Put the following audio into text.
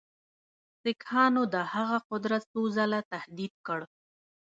سیکهانو د هغه قدرت څو ځله تهدید کړ.